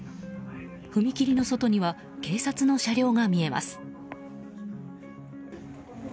踏切の外には警察の車両が見えます。